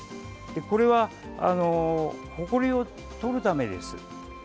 これは、ほこりを取るためです。